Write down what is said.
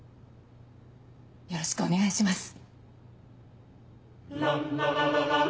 よろしくお願いします。